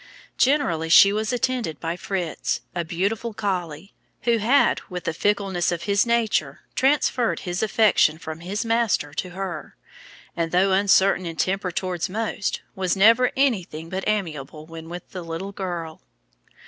Generally she was attended by Fritz, a beautiful collie, who had, with the fickleness of his nature, transferred his affection from his master to her, and though uncertain in temper towards most, was never anything but amiable when with the little girl.